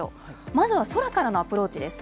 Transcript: まずは空からのアプローチです。